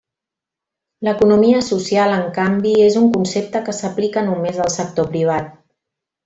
L'economia social en canvi és un concepte que s'aplica només al sector privat.